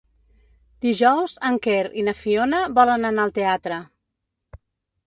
Dijous en Quer i na Fiona volen anar al teatre.